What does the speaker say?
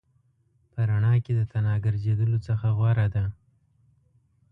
په رڼا کې د تنها ګرځېدلو څخه غوره ده.